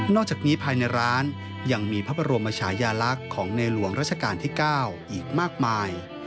จากนี้ภายในร้านยังมีพระบรมชายาลักษณ์ของในหลวงราชการที่๙อีกมากมาย